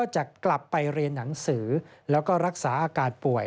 จะกลับไปเรียนหนังสือรักษาอากาศป่วย